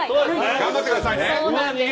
頑張ってくださいね！